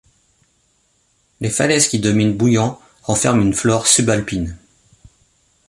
Les falaises qui dominent Bouilland renferment une flore subalpine.